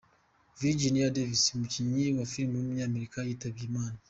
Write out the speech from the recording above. Virginia Davis, umukinnyi wa film w’umunyamerika yitabye Imana.